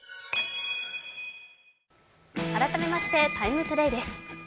改めまして「ＴＩＭＥ，ＴＯＤＡＹ」です。